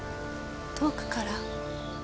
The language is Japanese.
遠くから？